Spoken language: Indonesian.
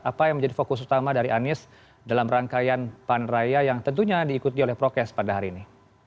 apa yang menjadi fokus utama dari anies dalam rangkaian pan raya yang tentunya diikuti oleh prokes pada hari ini